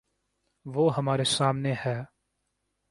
وہ ہمارے سامنے ہے۔